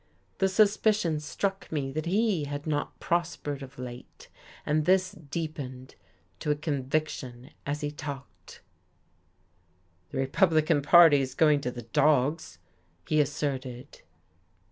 The suspicion struck me that he had not prospered of late, and this deepened to a conviction as he talked. "The Republican Party is going to the dogs," he asserted.